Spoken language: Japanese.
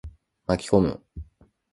巻き込む。